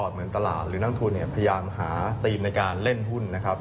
เหมือนตลาดหรือนั่งทุนพยายามหาธีมในการเล่นหุ้น